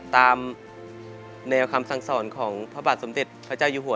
ตามแนวคำสั่งสอนของพระบาทสมเด็จพระเจ้าอยู่หัว